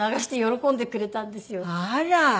あら。